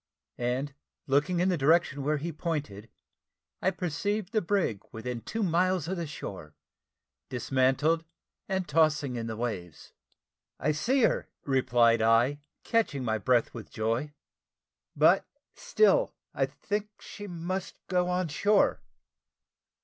and looking in the direction where he pointed, I perceived the brig within two miles of the shore, dismantled, and tossing in the waves. "I see her," replied I, catching my breath with joy; "but still I think she must go on shore."